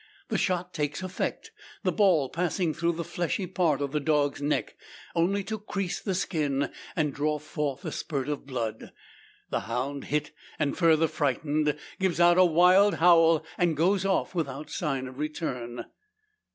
The shot takes effect; the ball passing through the fleshy part of the dog's neck. Only to crease the skin, and draw forth a spurt of blood. The hound hit, and further frightened, gives out a wild howl, and goes off, without sign of return.